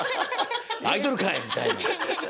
「アイドルかい」みたいな。